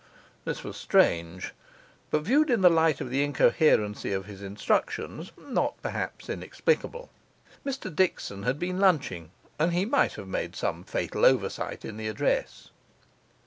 This was strange; but, viewed in the light of the incoherency of his instructions, not perhaps inexplicable; Mr Dickson had been lunching, and he might have made some fatal oversight in the address.